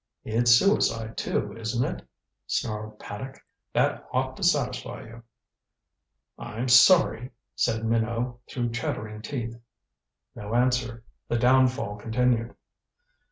"It's suicide, too, isn't it?" snarled Paddock. "That ought to satisfy you." "I'm sorry," said Minot through chattering teeth. No answer. The downfall continued.